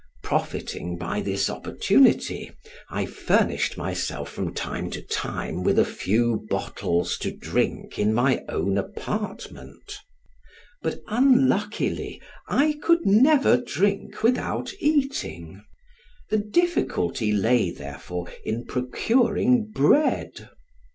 Profiting by this opportunity, I furnished myself from time to time with a few bottles to drink in my own apartment; but unluckily, I could never drink without eating; the difficulty lay therefore, in procuring bread.